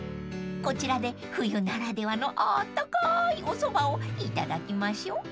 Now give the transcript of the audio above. ［こちらで冬ならではのあったかいおそばをいただきましょう］